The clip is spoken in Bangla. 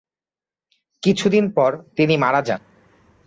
কিছুদিন পর তিনি মারা যান।